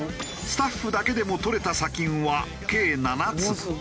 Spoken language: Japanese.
スタッフだけでも採れた砂金は計７粒。